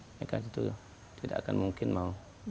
mereka itu tidak akan mungkin mau